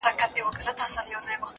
څښل مو تويول مو شرابونه د جلال؛